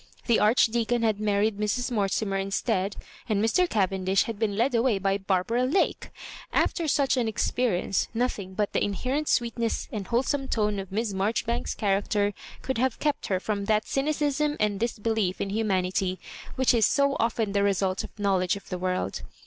The Archdeacon had married Mrs. Mortimer instead, and Mr. Cav endish had been led away by Barbara Ls^el After such an experience nothing but the inhe rent sweetness and wholesome tone of Miss Mar joribanks's character could have kept her from that cynicism and disbelief in humanity which is so often the result of knowledge of the world.